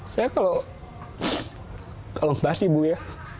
saya kalau kalau sebas ibu ya